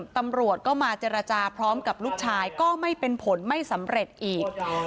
ตำรวจก็มาเจรจาพร้อมกับลูกชายก็ไม่เป็นผลไม่สำเร็จอีก